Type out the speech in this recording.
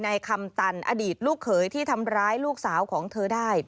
คำตันอดีตลูกเขยที่ทำร้ายลูกสาวของเธอได้